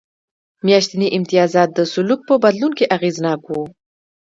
میاشتني امتیازات د سلوک په بدلون کې اغېزناک و